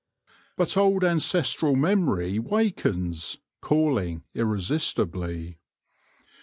But old ancestral memory wakens, calling irresistibly.